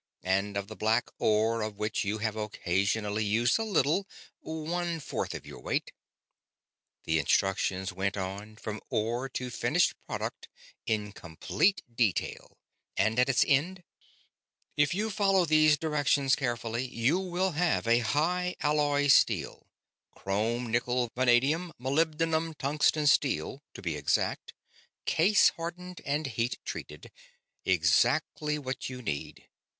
And of the black ore of which you have occasionally used a little, one fourth of your weight ..." The instructions went on, from ore to finished product in complete detail, and at its end: "If you follow these directions carefully you will have a high alloy steel chrome nickel vanadium molybdenum tungsten steel, to be exact case hardened and heat treated; exactly what you need.